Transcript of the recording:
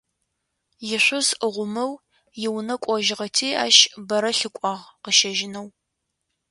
Ишъуз гъумэу иунэ кӏожьыгъэти ащ бэрэ лъыкӏуагъ къыщэжьынэу.